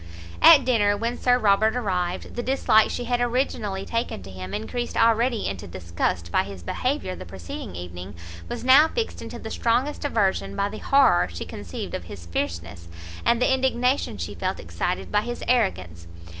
At dinner, when Sir Robert arrived, the dislike she had originally taken to him, encreased already into disgust by his behaviour the preceding evening, was now fixed into the strongest aversion by the horror she conceived of his fierceness, and the indignation she felt excited by his arrogance.